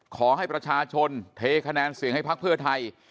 ขอให้ประชาชนเทคะแนนเสียงให้พักเพื่อไทย